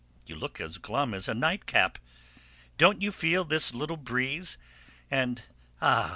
You look as glum as a night cap. Don't you feel this little breeze? Ah!